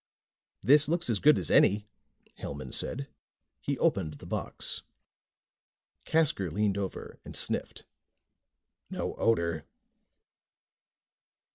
"This looks as good as any," Hellman said. He opened the box. Casker leaned over and sniffed. "No odor."